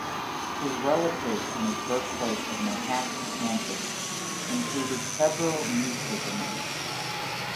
His relatives in his birthplace of Manhattan, Kansas included several newspapermen.